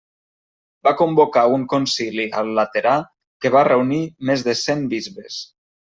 Va convocar un concili al Laterà que va reunir més de cent bisbes.